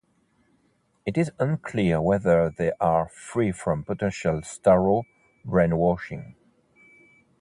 It is unclear whether they are free from potential Starro brainwashing.